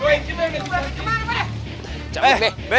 kamu berangkat kemana be